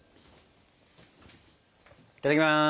いただきます。